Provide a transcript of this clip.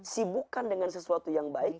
sibukkan dengan sesuatu yang baik